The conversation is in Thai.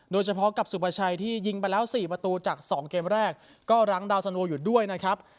โดยเฉพาะกับสุภาชัยที่ยิงไปแล้ว๔ประตูจาก๒เกมแรกก็รั้งดาวสโนอยู่ด้วยนะครับ